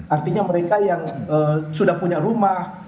artinya mereka yang sudah punya rumah